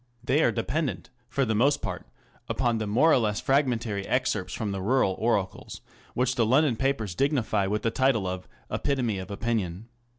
They are dependent for the most part upon the more or less fragmentary excerpts from the rural oracles which the London papers dignify with the title of " Epitome of Opinion."